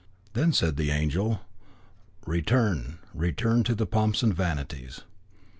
Then said the angel: 'Return, return to the pomps and vanities.'